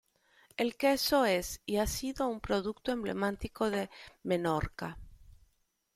El queso es y ha sido un producto emblemático de Menorca.